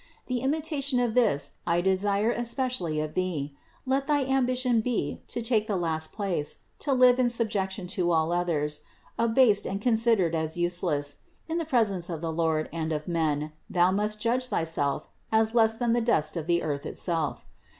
The imitation of this I desire especially of thee; let thy ambition be to take the last place, to live in subjection to all others; abased and considered as useless, in the presence of the Lord and of men, thou must judge thyself as less than the dust of the earth itself.